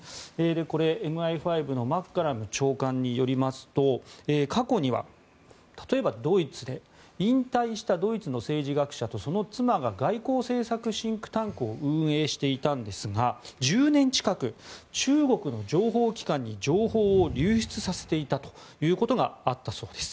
これ、ＭＩ５のマッカラム長官によりますと過去には、例えばドイツで引退したドイツの政治学者とその妻が外交政策シンクタンクを運営していたんですが１０年近く中国の情報機関に情報を流出させていたということがあったそうです。